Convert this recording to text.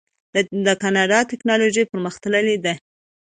د کاناډا ټیکنالوژي پرمختللې ده.